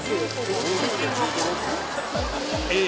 え！？